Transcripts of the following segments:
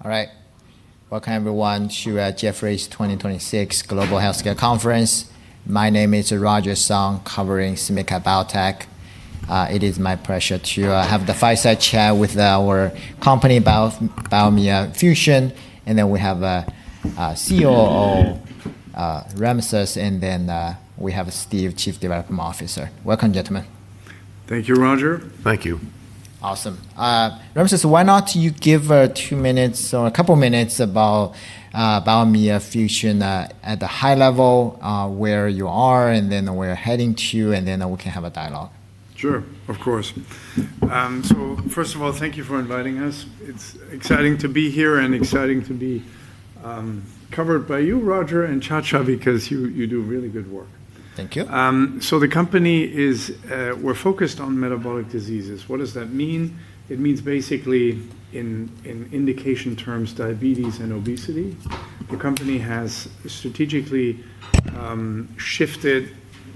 All right. Welcome, everyone, to Jefferies Global Healthcare Conference 2026. My name is Roger Song, covering SMID-cap biotech. It is my pleasure to have the fireside chat with our company, Biomea Fusion. We have COO, Ramses, and then we have Steve, Chief Development Officer. Welcome, gentlemen. Thank you, Roger. Thank you. Awesome. Ramses, why not you give two minutes or a couple of minutes about Biomea Fusion at the high level, where you are, and then where you're heading to, and then we can have a dialogue. Sure. Of course. First of all, thank you for inviting us. It's exciting to be here and exciting to be covered by you, Roger, and Chacha, because you do really good work. Thank you. We're focused on metabolic diseases. What does that mean? It means basically, in indication terms, diabetes and obesity. The company has strategically shifted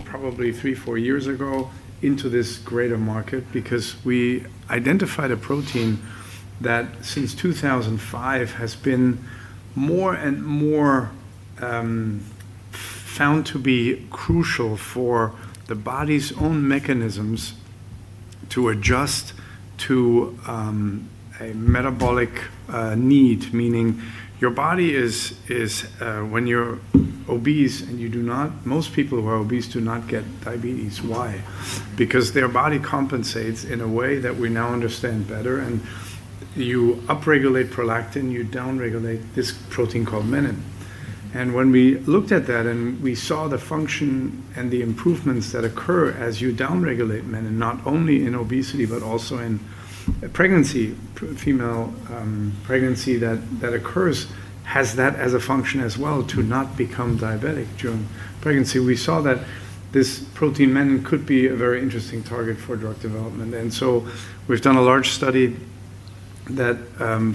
probably three, four years ago into this greater market because we identified a protein that since 2005 has been more and more found to be crucial for the body's own mechanisms to adjust to a metabolic need. Meaning when you're obese and most people who are obese do not get diabetes. Why? Because their body compensates in a way that we now understand better, you upregulate prolactin, you downregulate this protein called menin. When we looked at that and we saw the function and the improvements that occur as you downregulate menin, not only in obesity but also in pregnancy, female pregnancy that occurs, has that as a function as well to not become diabetic during pregnancy. We saw that this protein, menin, could be a very interesting target for drug development. We've done a large study that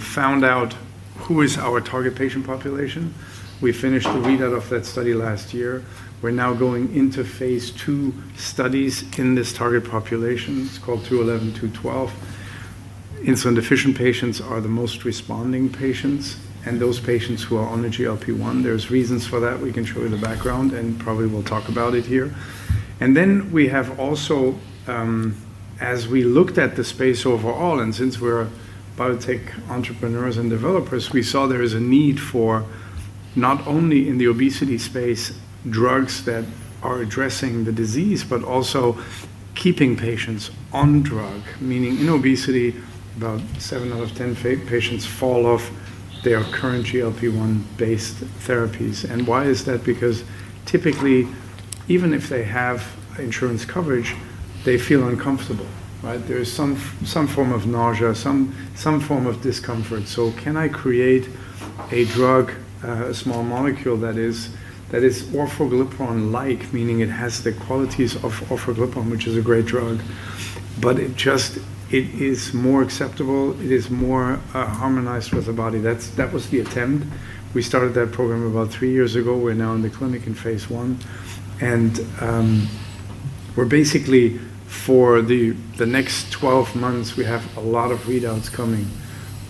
found out who is our target patient population. We finished the readout of that study last year. We're now going into phase II studies in this target population. It's called COVALENT-211, COVALENT-212. Insulin-deficient patients are the most responding patients, and those patients who are on the GLP-1, there's reasons for that. We can show you the background and probably we'll talk about it here. We have also as we looked at the space overall, and since we're biotech entrepreneurs and developers, we saw there is a need for not only in the obesity space drugs that are addressing the disease, but also keeping patients on drug. Meaning in obesity, about seven out of 10 patients fall off their current GLP-1 based therapies. Why is that? Because typically, even if they have insurance coverage, they feel uncomfortable, right? There is some form of nausea, some form of discomfort. Can I create a drug, a small molecule that is orforglipron-like, meaning it has the qualities of orforglipron, which is a great drug, but it is more acceptable, it is more harmonized with the body. That was the attempt. We started that program about three years ago. We're now in the clinic in phase I, and we're basically for the next 12 months, we have a lot of readouts coming.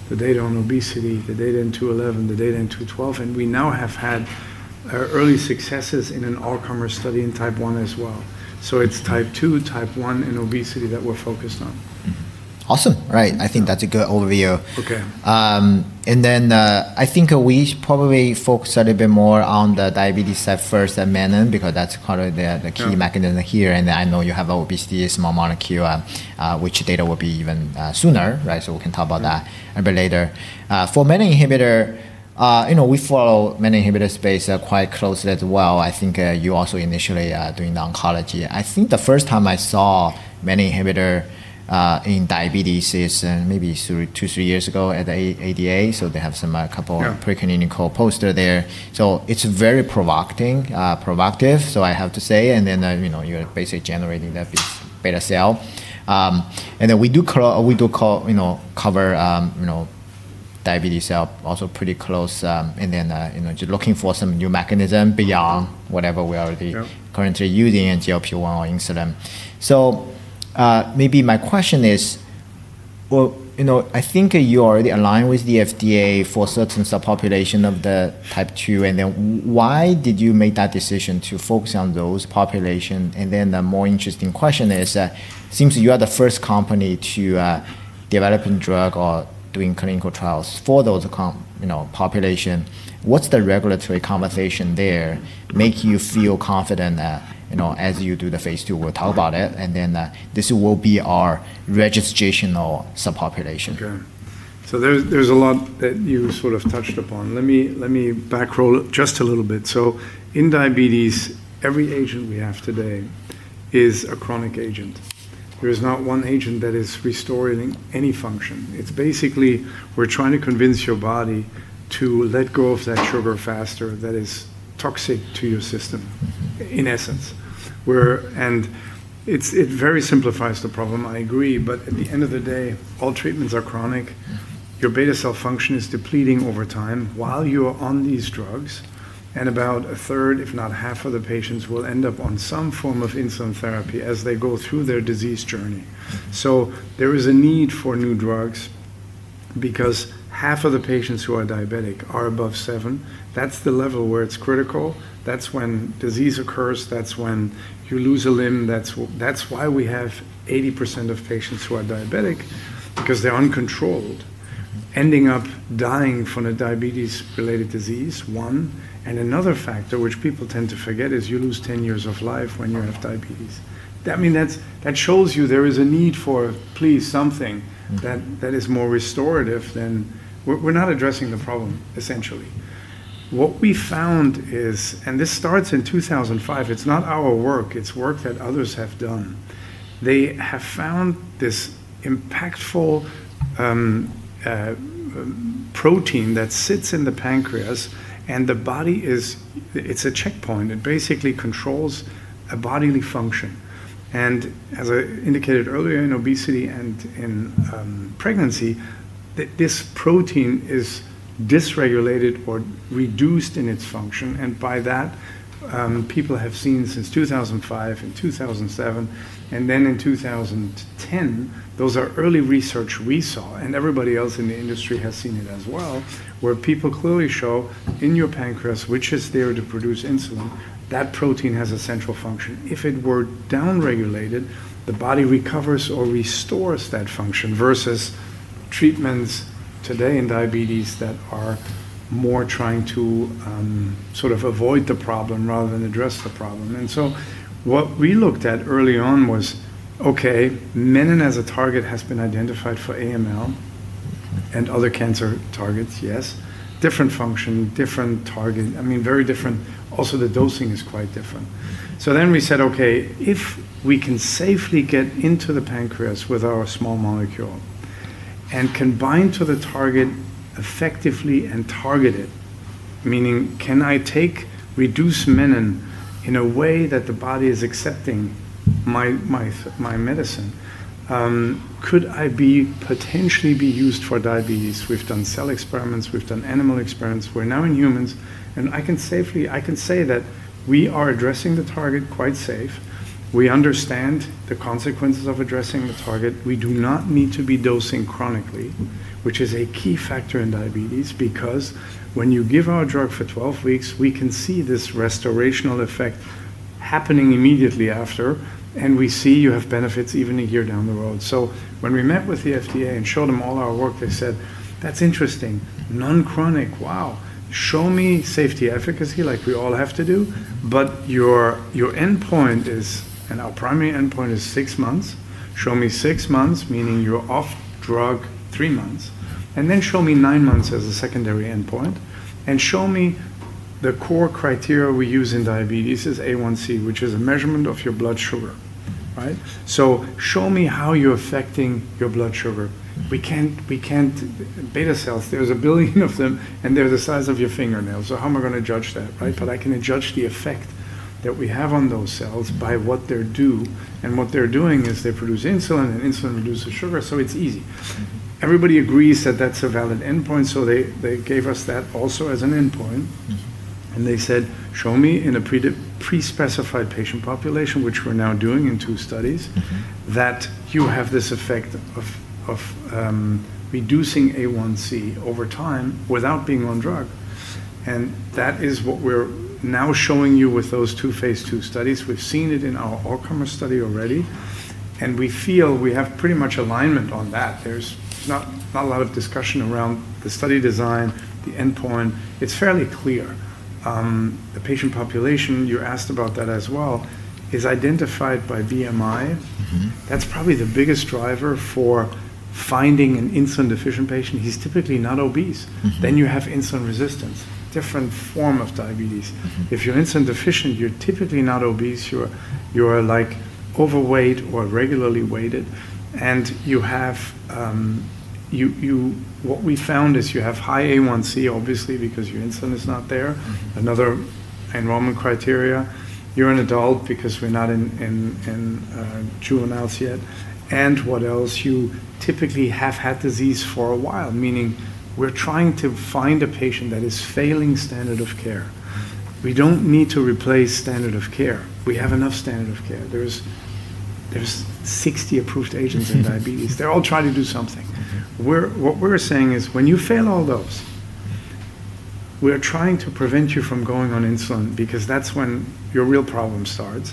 The data on obesity, the data in COVALENT-211, the data in COVALENT-212, and we now have had early successes in an all-comer study in Type 1 as well. It's Type 2, Type 1, and obesity that we're focused on. Awesome. Right. I think that's a good overview. Okay. Then, I think we should probably focus a little bit more on the diabetes at first, at menin, because that's kind of the key mechanism here, I know you have [BMF-650], which data will be even sooner, right? We can talk about that a bit later. For menin inhibitor, we follow menin inhibitor space quite closely as well. I think you also initially doing the oncology. I think the first time I saw menin inhibitor in diabetes is maybe two, three years ago at the ADA- Yeah. ...pre-clinical poster there. It's very provocative, so I have to say, and then you're basically generating that beta cell. We do cover beta cell also pretty close, and then just looking for some new mechanism beyond whatever we are- Yeah. ...currently using in GLP-1 or insulin. Maybe my question is: Well, I think you already align with the FDA for certain subpopulation of the Type 2, and then why did you make that decision to focus on those population? The more interesting question is that seems you are the first company to developing drug or doing clinical trials for those population. What's the regulatory conversation there make you feel confident as you do the phase II, we'll talk about it, and then this will be our registrational subpopulation. Okay. There's a lot that you sort of touched upon. Let me backroll just a little bit. In diabetes, every agent we have today is a chronic agent. There is not one agent that is restoring any function. It's basically we're trying to convince your body to let go of that sugar faster that is toxic to your system, in essence. It very simplifies the problem, I agree. At the end of the day, all treatments are chronic. Your beta cell function is depleting over time while you're on these drugs. About 1/3, if not half of the patients, will end up on some form of insulin therapy as they go through their disease journey. There is a need for new drugs. Because half of the patients who are diabetic are above seven. That's the level where it's critical. That's when disease occurs. That's when you lose a limb. That's why we have 80% of patients who are diabetic, because they're uncontrolled, ending up dying from a diabetes-related disease, one. Another factor which people tend to forget is you lose 10 years of life when you have diabetes. That shows you there is a need for, please, something that is more restorative. We're not addressing the problem, essentially. What we found is, this starts in 2005, it's not our work, it's work that others have done. They have found this impactful protein that sits in the pancreas, it's a checkpoint. It basically controls a bodily function. As I indicated earlier in obesity and in pregnancy, this protein is dysregulated or reduced in its function, and by that, people have seen since 2005 and 2007 and then in 2010, those are early research we saw, and everybody else in the industry has seen it as well, where people clearly show in your pancreas, which is there to produce insulin, that protein has a central function. If it were downregulated, the body recovers or restores that function versus treatments today in diabetes that are more trying to sort of avoid the problem rather than address the problem. What we looked at early on was, okay, menin as a target has been identified for AML and other cancer targets, yes. Different function, different target. Very different. Also, the dosing is quite different. We said, okay, if we can safely get into the pancreas with our small molecule and can bind to the target effectively and targeted, meaning can I take reduced menin in a way that the body is accepting my medicine? Could I potentially be used for diabetes? We've done cell experiments, we've done animal experiments. We're now in humans, and I can say that we are addressing the target quite safe. We understand the consequences of addressing the target. We do not need to be dosing chronically, which is a key factor in diabetes because when you give our drug for 12 weeks, we can see this restorational effect happening immediately after, and we see you have benefits even a year down the road. When we met with the FDA and showed them all our work, they said, "That's interesting. Non-chronic, wow. Show me safety efficacy like we all have to do, but your endpoint is, and our primary endpoint is six months. Show me six months, meaning you're off drug three months, and then show me nine months as a secondary endpoint, and show me the core criteria we use in diabetes is A1C, which is a measurement of your blood sugar. Right? Show me how you're affecting your blood sugar. beta cells, there's a billion of them, and they're the size of your fingernails, so how am I going to judge that, right? I can judge the effect that we have on those cells by what they do, and what they're doing is they produce insulin, and insulin reduces sugar, so it's easy. Everybody agrees that that's a valid endpoint, they gave us that also as an endpoint. They said, "Show me in a pre-specified patient population," which we're now doing in two studies, "That you have this effect of reducing A1C over time without being on drug." That is what we're now showing you with those two phase II studies. We've seen it in our all-comer study already, and we feel we have pretty much alignment on that. There's not a lot of discussion around the study design, the endpoint. It's fairly clear. The patient population, you asked about that as well, is identified by BMI. That's probably the biggest driver for finding an insulin-deficient patient. He's typically not obese. You have insulin resistance, different form of diabetes. If you're insulin deficient, you're typically not obese. You're overweight or regularly weighted, and what we found is you have high A1C, obviously, because your insulin is not there. Another enrollment criteria. You're an adult because we're not in juveniles yet. What else? You typically have had disease for a while, meaning we're trying to find a patient that is failing standard of care. We don't need to replace standard of care. We have enough standard of care. There's 60 approved agents in diabetes. They're all trying to do something. What we're saying is when you fail all those, we're trying to prevent you from going on insulin because that's when your real problem starts.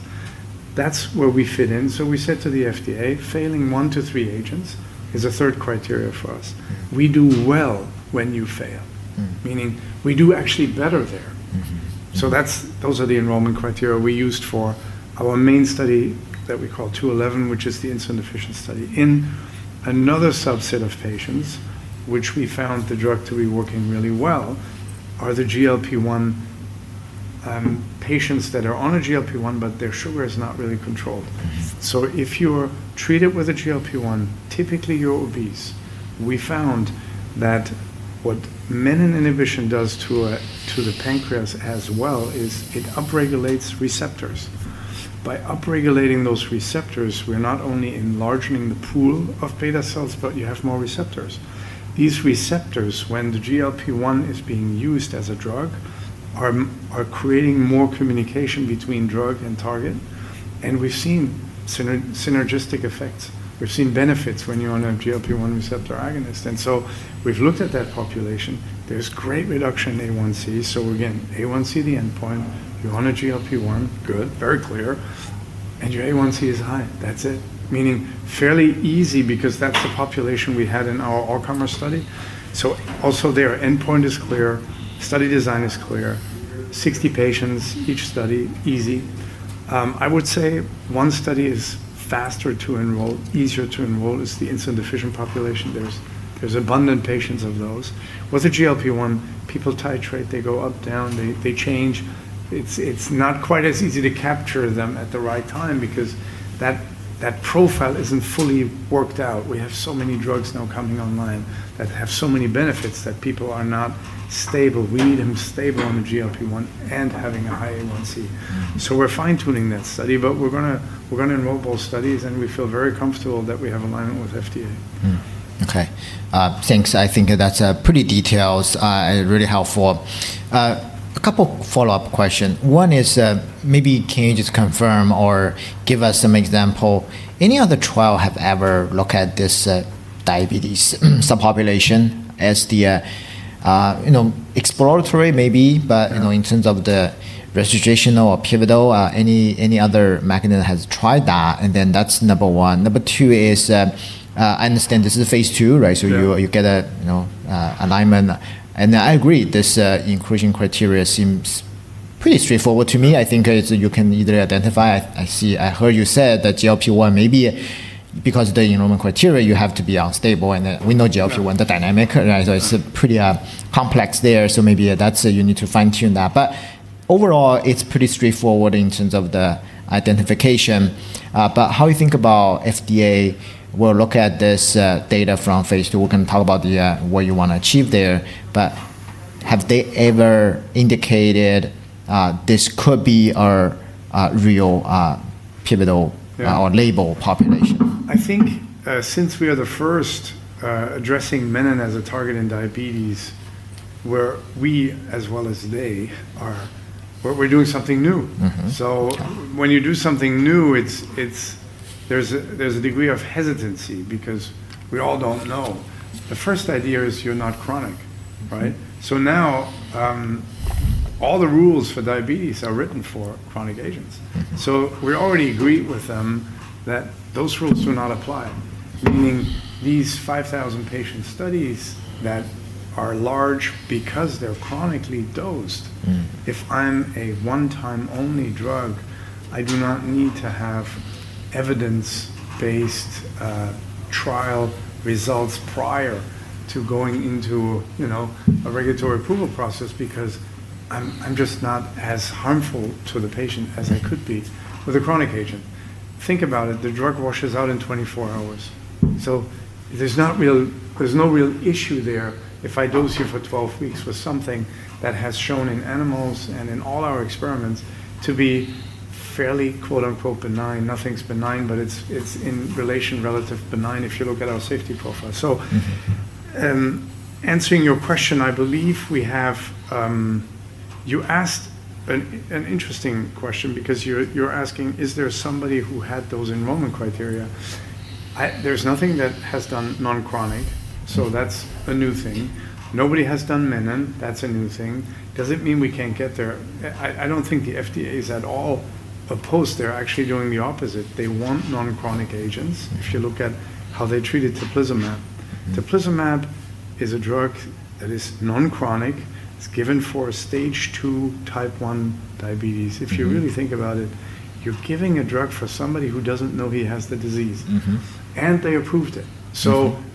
That's where we fit in. We said to the FDA, failing one to three agents is a third criteria for us. We do well when you fail. Meaning we do actually better there. Those are the enrollment criteria we used for our main study that we call COVALENT-211, which is the insulin deficient study. In another subset of patients, which we found the drug to be working really well, are the GLP-1 patients that are on a GLP-1, but their sugar is not really controlled. If you're treated with a GLP-1, typically you're obese. We found that what menin inhibition does to the pancreas as well is it upregulates receptors. By upregulating those receptors, we're not only enlarging the pool of beta cells, but you have more receptors. These receptors, when the GLP-1 is being used as a drug, are creating more communication between drug and target, and we've seen synergistic effects. We've seen benefits when you're on a GLP-1 receptor agonist. We've looked at that population. There's great reduction in A1C. Again, A1C, the endpoint. You're on a GLP-1. Good. Very clear. Your A1C is high. That's it. Meaning, fairly easy because that's the population we had in our All-Comer study. Also, their endpoint is clear, study design is clear, 60 patients, each study, easy. I would say one study is faster to enroll, easier to enroll. It's the insulin deficient population. There's abundant patients of those. With the GLP-1, people titrate, they go up, down, they change. It's not quite as easy to capture them at the right time because that profile isn't fully worked out. We have so many drugs now coming online that have so many benefits that people are not stable. We need them stable on the GLP-1 and having a high A1C. We're fine-tuning that study, but we're going to enroll both studies, and we feel very comfortable that we have alignment with FDA. Okay. Thanks. I think that that's pretty detailed, really helpful. A couple follow-up questions. One is, maybe can you just confirm or give us some example, any other trial have ever looked at this diabetes subpopulation as the exploratory- Yeah. ...in terms of the registration or pivotal, any other mechanism has tried that? That's number 1. Number 2 is, I understand this is phase II, right? Yeah. You get alignment, and I agree, this inclusion criteria seems pretty straightforward to me. I heard you said that GLP-1 maybe because of the enrollment criteria, you have to be unstable, and we know GLP-1, the dynamic. Yeah. It's pretty complex there. Maybe you need to fine-tune that. Overall, it's pretty straightforward in terms of the identification. How you think about FDA will look at this data from phase II, we can talk about what you want to achieve there. Have they ever indicated, this could be our real pivotal- Yeah. ...our label population? I think, since we are the first addressing menin as a target in diabetes, where we, as well as they are, but we're doing something new. Mm-hmm. Okay. When you do something new, there's a degree of hesitancy because we all don't know. The first idea is you're not chronic, right? Now, all the rules for diabetes are written for chronic agents. We already agreed with them that those rules do not apply, meaning these 5,000 patient studies that are large because they're chronically dosed. If I'm a one-time-only drug, I do not need to have evidence-based trial results prior to going into a regulatory approval process, because I'm just not as harmful to the patient as I could be with a chronic agent. Think about it, the drug washes out in 24 hours. There's no real issue there if I dose you for 12 weeks with something that has shown in animals and in all our experiments to be fairly, quote-unquote, "benign." Nothing's benign, but it's in relation relative benign if you look at our safety profile. Answering your question, You asked an interesting question because you're asking, is there somebody who had those enrollment criteria? There's nothing that has done non-chronic, so that's a new thing. Nobody has done menin. That's a new thing. Does it mean we can't get there? I don't think the FDA is at all opposed. They're actually doing the opposite. They want non-chronic agents, if you look at how they treated teplizumab. Teplizumab is a drug that is non-chronic. It's given for Stage II Type 1 diabetes. If you really think about it, you're giving a drug for somebody who doesn't know he has the disease. They approved it.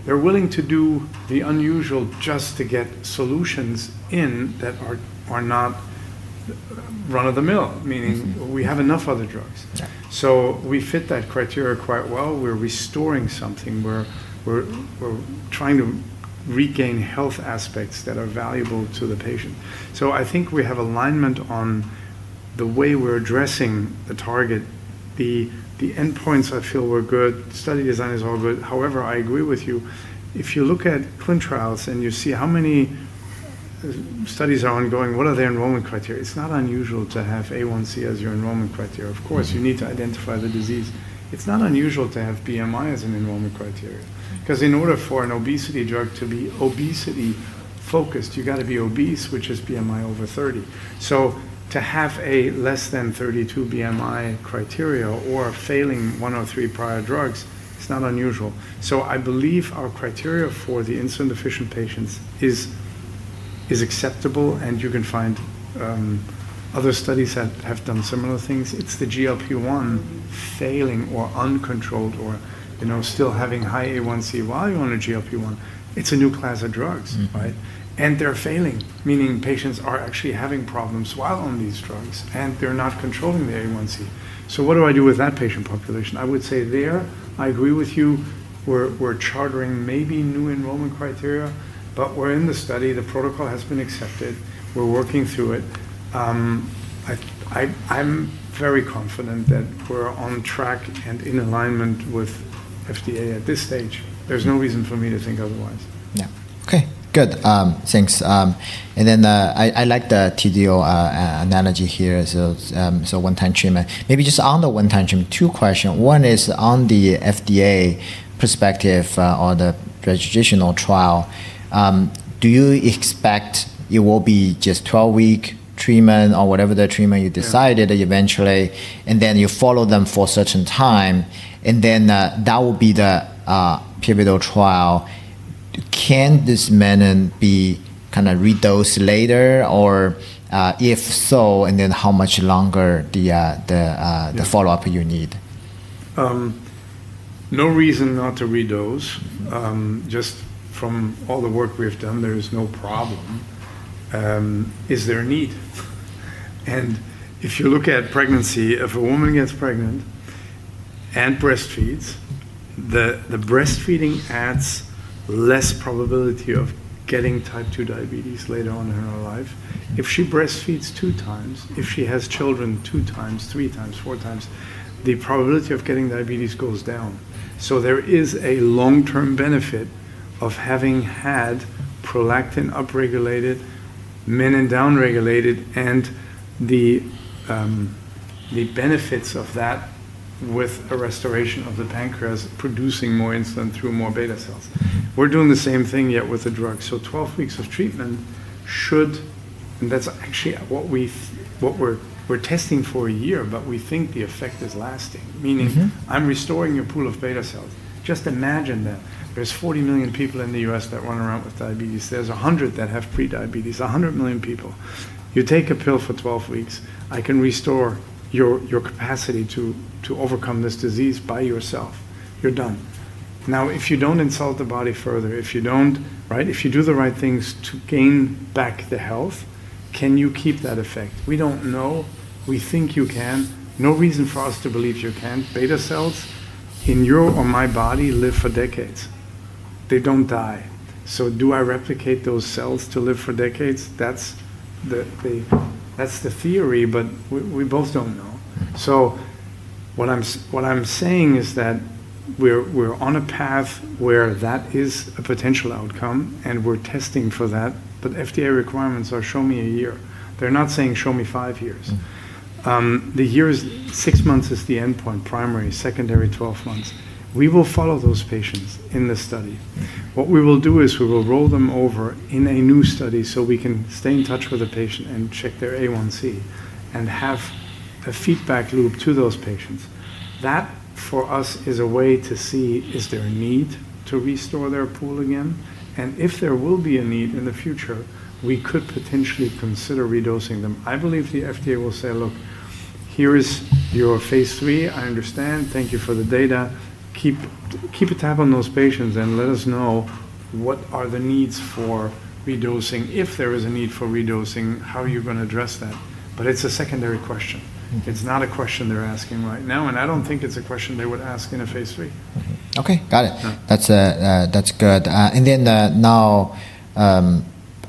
They're willing to do the unusual just to get solutions in that are not run-of-the-mill, meaning we have enough other drugs. Yeah. We fit that criteria quite well. We're restoring something. We're trying to regain health aspects that are valuable to the patient. I think we have alignment on the way we're addressing the target. The endpoints I feel were good. The study design is all good. However, I agree with you. If you look at ClinicalTrials.gov and you see how many studies are ongoing, what are their enrollment criteria? It's not unusual to have A1C as your enrollment criteria. Of course, you need to identify the disease. It's not unusual to have BMI as an enrollment criteria. In order for an obesity drug to be obesity focused, you got to be obese, which is BMI over 30. To have a less than 32 BMI criteria or failing one to three prior drugs, it's not unusual. I believe our criteria for the insulin deficient patients is acceptable, and you can find other studies that have done similar things. It's the GLP-1 failing or uncontrolled or still having high A1C while you're on a GLP-1. It's a new class of drugs. Right? They're failing, meaning patients are actually having problems while on these drugs. They're not controlling the A1c. What do I do with that patient population? I would say there, I agree with you. We're charting maybe new enrollment criteria. We're in the study. The protocol has been accepted. We're working through it. I'm very confident that we're on track and in alignment with FDA at this stage. There's no reason for me to think otherwise. Yeah. Okay, good. Thanks. I like the T1D analogy here, so one-time treatment. Maybe just on the one-time treatment, two questions. One is on the FDA perspective, or the registrational trial, do you expect it will be just 12-week treatment or whatever the treatment you decided eventually, you follow them for a certain time, that will be the pivotal trial. Can this menin be re-dosed later? If so, how much longer the follow-up you need? No reason not to re-dose. Just from all the work we've done, there is no problem. Is there a need? If you look at pregnancy, if a woman gets pregnant and breastfeeds, the breastfeeding adds less probability of getting Type 2 diabetes later on in her life. If she breastfeeds two times, if she has children three times, four times, the probability of getting diabetes goes down. There is a long-term benefit of having had prolactin upregulated, menin downregulated, and the benefits of that with a restoration of the pancreas producing more insulin through more beta cells. We're doing the same thing, yet with a drug. 12 weeks of treatment should. That's actually what we're testing for a year, but we think the effect is lasting. Meaning, I'm restoring your pool of beta cells. Just imagine that. There's 40 million people in the U.S. that run around with diabetes. There's 100 that have pre-diabetes, 100 million people. You take a pill for 12 weeks, I can restore your capacity to overcome this disease by yourself. You're done. If you don't insult the body further, if you do the right things to gain back the health, can you keep that effect? We don't know. We think you can. No reason for us to believe you can't. beta cells in your or my body live for decades. They don't die. Do I replicate those cells to live for decades? That's the theory, but we both don't know. What I'm saying is that we're on a path where that is a potential outcome, and we're testing for that, but FDA requirements are, "Show me a year." They're not saying, "Show me five years." Six months is the endpoint, primary, secondary, 12 months. We will follow those patients in the study. What we will do is we will roll them over in a new study so we can stay in touch with the patient and check their A1C and have a feedback loop to those patients. That, for us, is a way to see, is there a need to restore their pool again? If there will be a need in the future, we could potentially consider re-dosing them. I believe the FDA will say, "Look, here is your phase III. I understand. Thank you for the data. Keep a tab on those patients and let us know what are the needs for re-dosing. If there is a need for re-dosing, how are you going to address that?" It's a secondary question. Okay. It's not a question they're asking right now, and I don't think it's a question they would ask in a phase III. Okay, got it. Yeah. That's good. Now,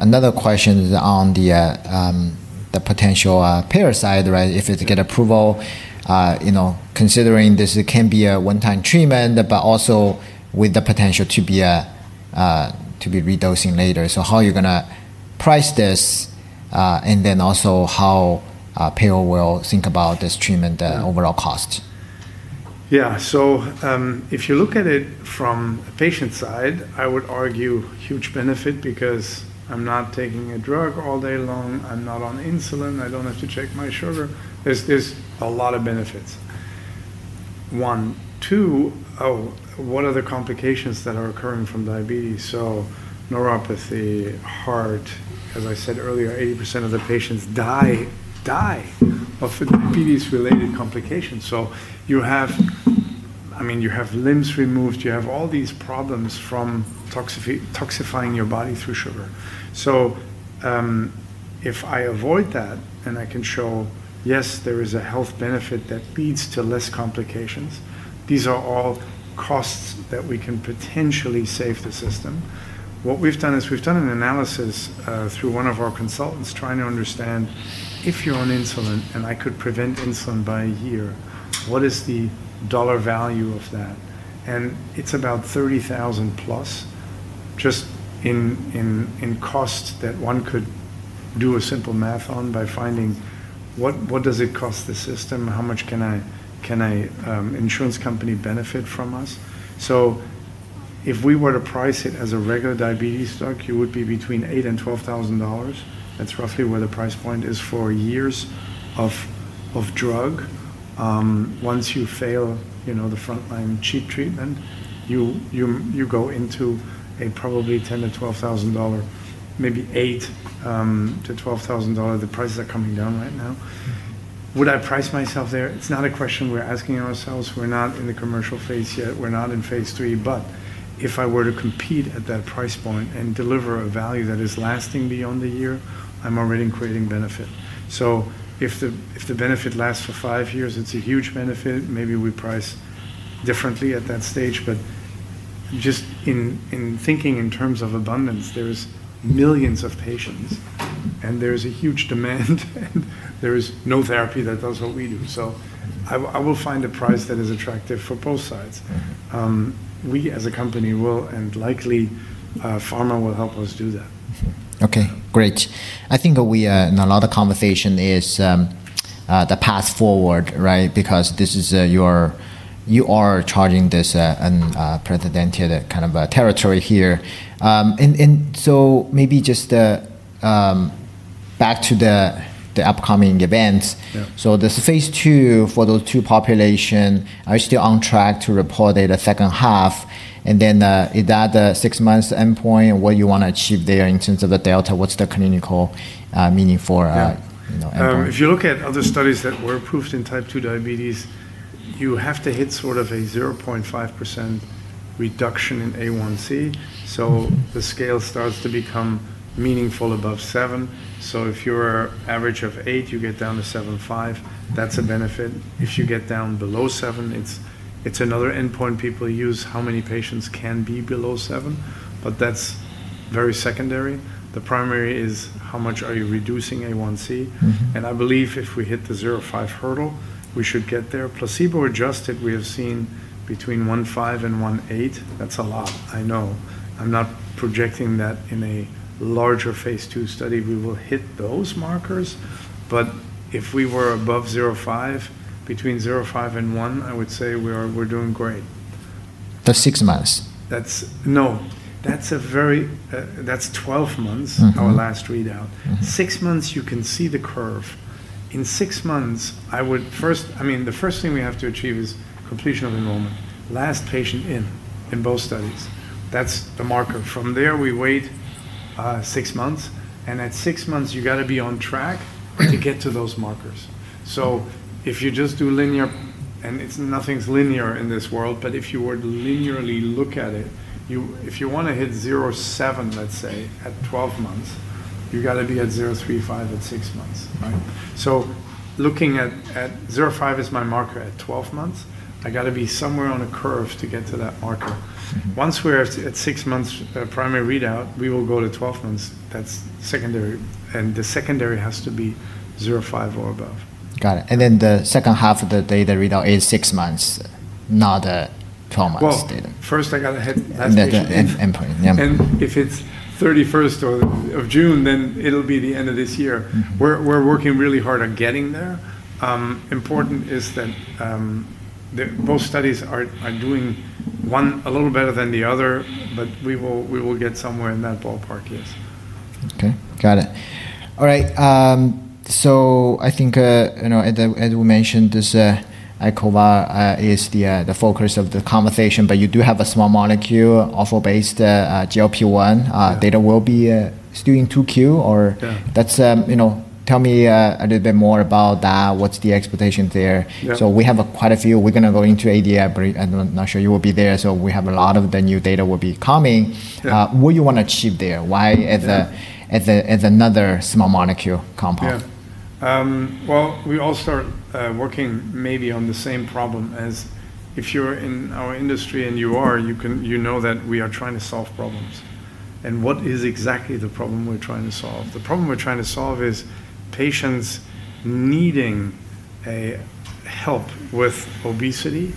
another question on the potential payer side. If it get approval, considering this can be a one-time treatment, but also with the potential to be re-dosing later. How you're going to price this, and then also how payer will think about this treatment, the overall cost. Yeah. If you look at it from a patient side, I would argue huge benefit because I'm not taking a drug all day long. I'm not on insulin. I don't have to check my sugar. There's a lot of benefits. One. Two, what are the complications that are occurring from diabetes? Neuropathy, heart, as I said earlier, 80% of the patients die of diabetes-related complications. You have limbs removed, you have all these problems from toxifying your body through sugar. If I avoid that, then I can show, yes, there is a health benefit that leads to less complications. These are all costs that we can potentially save the system. What we've done is we've done an analysis, through one of our consultants, trying to understand if you're on insulin, and I could prevent insulin by a year, what is the dollar value of that? It's about $30,000+ just in cost that one could do a simple math on by finding what does it cost the system? How much can a insurance company benefit from us? If we were to price it as a regular diabetes drug, it would be between $8,000 and $12,000. That's roughly where the price point is for years of drug. Once you fail the frontline cheap treatment, you go into a probably $10,000-$12,000, maybe $8,000-$12,000. The prices are coming down right now. Would I price myself there? It's not a question we're asking ourselves. We're not in the commercial phase yet. We're not in phase III. If I were to compete at that price point and deliver a value that is lasting beyond a year, I'm already creating benefit. If the benefit lasts for five years, it's a huge benefit. Maybe we price differently at that stage. Just in thinking in terms of abundance, there's millions of patients, and there's a huge demand, and there is no therapy that does what we do. I will find a price that is attractive for both sides. We, as a company, will, and likely, pharma will help us do that. Okay, great. I think in a lot of conversation is the path forward, right? Because you are charging this unprecedented kind of territory here. So maybe just back to the upcoming events. Yeah. The phase II for those two population are still on track to report at the second half, and then at that six months endpoint and what you want to achieve there in terms of the delta, what's the clinical meaning for outcome? If you look at other studies that were approved in Type 2 diabetes, you have to hit sort of a 0.5% reduction in A1C. The scale starts to become meaningful above seven. If your average of eight, you get down to 7.5, that's a benefit. If you get down below seven, it's another endpoint people use, how many patients can be below seven, but that's very secondary. The primary is how much are you reducing A1C. I believe if we hit the 0.5 hurdle, we should get there. Placebo adjusted, we have seen between 1.5 and 1.8. That's a lot, I know. I'm not projecting that in a larger phase II study we will hit those markers, but if we were above 0.5, between 0.5 and 1, I would say we're doing great. That's six months. No. That's 12 months. Our last readout. Six months, you can see the curve. In six months, the first thing we have to achieve is completion of enrollment. Last patient in both studies. That's the marker. From there, we wait six months, and at six months you got to be on track to get to those markers. If you just do linear, and nothing's linear in this world, but if you were to linearly look at it. If you want to hit 0.7, let's say, at 12 months, you got to be at 0.35 at six months, right? Looking at, 0.5 is my marker at 12 months, I got to be somewhere on a curve to get to that marker. Once we're at six months primary readout, we will go to 12 months. That's secondary. The secondary has to be 0.5 or above. Got it. Then the second half of the data readout is six months, not 12 months data. Well, first I got to hit last patient in. Endpoint. Yeah. If it's June 31st, then it'll be the end of this year. We're working really hard on getting there. Important is that both studies are doing one a little better than the other, we will get somewhere in that ballpark. Yes. Okay. Got it. All right. I think, as we mentioned, this icovamenib is the focus of the conversation, but you do have a small molecule oral based GLP-1. Yeah. Data will be due in 2Q- Yeah. ...tell me a little bit more about that. What's the expectation there? Yeah. We have quite a few. We're going to go into ADA break. I'm not sure you will be there. We have a lot of the new data will be coming. Yeah. What you want to achieve there? Why as another small molecule compound? Yeah. Well, we all start working maybe on the same problem as if you're in our industry and you are, you know that we are trying to solve problems. What is exactly the problem we're trying to solve? The problem we're trying to solve is patients needing help with obesity,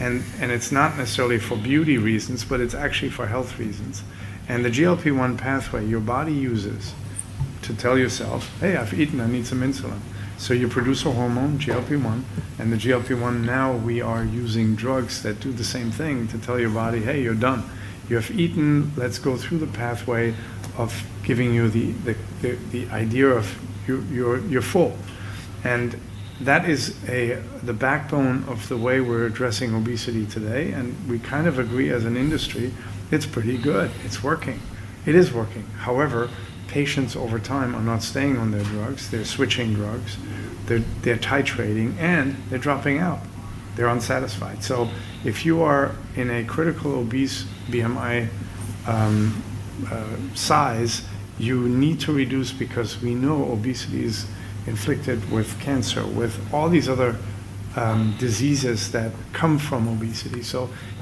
and it's not necessarily for beauty reasons, but it's actually for health reasons. The GLP-1 pathway your body uses to tell yourself, "Hey, I've eaten. I need some insulin." You produce a hormone, GLP-1, and the GLP-1 now we are using drugs that do the same thing to tell your body, "Hey, you're done. You have eaten. Let's go through the pathway of giving you the idea of you're full." That is the backbone of the way we're addressing obesity today, and we kind of agree as an industry, it's pretty good. It's working. It is working. Patients over time are not staying on their drugs. They're switching drugs. They're titrating, and they're dropping out. They're unsatisfied. If you are in a critical obese BMI size, you need to reduce because we know obesity is inflicted with cancer, with all these other diseases that come from obesity.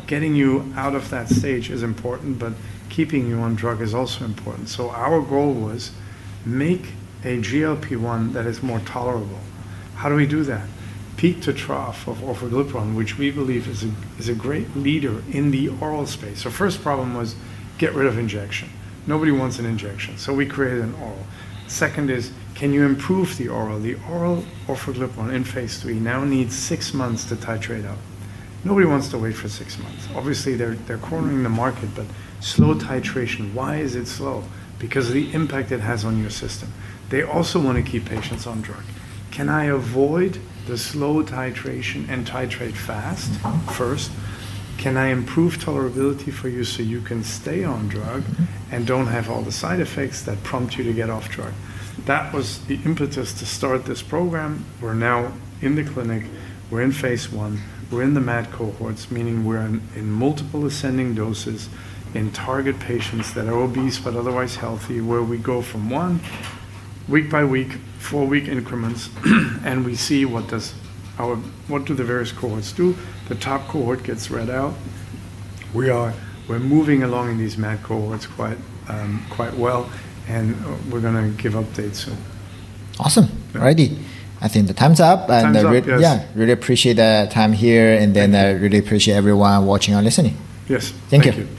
Getting you out of that stage is important, but keeping you on drug is also important. Our goal was make a GLP-1 that is more tolerable. How do we do that? Peak to trough of orforglipron, which we believe is a great leader in the oral space. First problem was get rid of injection. Nobody wants an injection. We created an oral. Second is, can you improve the oral? The oral orforglipron in phase III now needs six months to titrate up. Nobody wants to wait for six months. Obviously, they're cornering the market, but slow titration. Why is it slow? Because of the impact it has on your system. They also want to keep patients on drug. Can I avoid the slow titration and titrate fast first? Can I improve tolerability for you so you can stay on drug and don't have all the side effects that prompt you to get off drug? That was the impetus to start this program. We're now in the clinic. We're in phase I. We're in the MAD cohorts, meaning we're in multiple ascending doses in target patients that are obese but otherwise healthy, where we go from one week-by-week, four week increments, and we see what do the various cohorts do. The top cohort gets read out. We're moving along in these MAD cohorts quite well, and we're going to give updates soon. Awesome. All righty. I think the time's up. Time's up. Yes. Yeah. Really appreciate the time here, and then really appreciate everyone watching or listening. Yes. Thank you. Thank you.